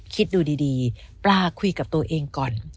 คิดดูดีปลาคุยกับตัวเองก่อน